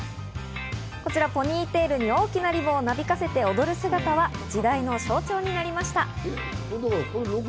ポニーテールに大きなリボンをなびかせて踊る姿は時代の象徴になりました。